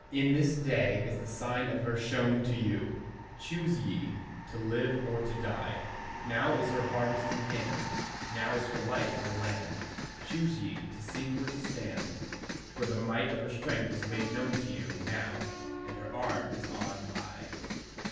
In this day is the sign of her shown to you; Choose ye, to live or to die, Now is her harvest in hand; Now is her light in the land; Choose ye, to sink or to stand, For the might of her strength is made known to you Now, and her arm is on high.